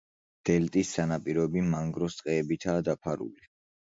დელტის სანაპიროები მანგროს ტყეებითაა დაფარული.